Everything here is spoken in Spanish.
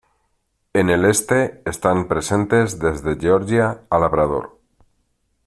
En el este están presentes desde Georgia a Labrador.